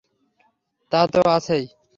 তা তো আছেই।